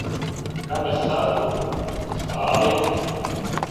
Kam es saku? Stāvi!